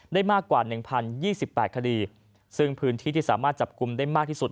ได้มากกว่า๑๐๒๘คดีซึ่งพื้นที่ที่สามารถจับกลุ่มได้มากที่สุด